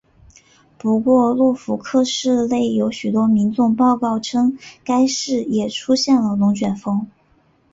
不过诺福克市内有许多民众报告称该市也出现了龙卷风。